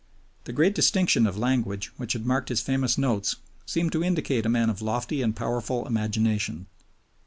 The great distinction of language which had marked his famous Notes seemed to indicate a man of lofty and powerful imagination.